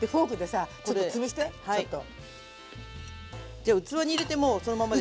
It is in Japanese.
じゃ器に入れてもうそのままで？